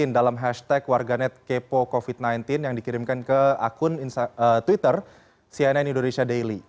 dalam hashtag warganet kepo covid sembilan belas yang dikirimkan ke akun twitter cnn indonesia daily